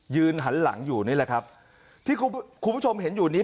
หันหลังอยู่นี่แหละครับที่คุณผู้ชมเห็นอยู่นี้